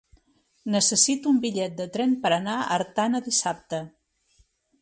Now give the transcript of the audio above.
Necessito un bitllet de tren per anar a Artana dissabte.